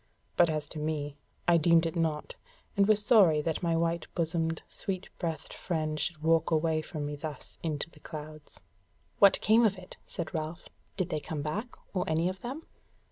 But as to me, I deemed it naught, and was sorry that my white bosomed, sweet breathed friend should walk away from me thus into the clouds." "What came of it?" said Ralph, "did they come back, or any of them?"